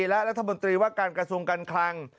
และรัฐมนตรีว่าการกระทรวงการคลัง